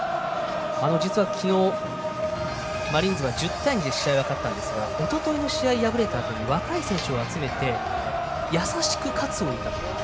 実は昨日、マリーンズは１０対２で試合は勝ったんですがおとといの試合敗れたあとに若い選手を集めてやさしく喝を入れて。